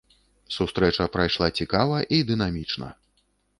Сустрэча прайшла цікава і дынамічна.